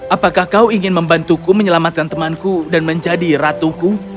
apakah kau ingin membantuku menyelamatkan temanku dan menjadi ratuku